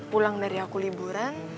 pulang dari aku liburan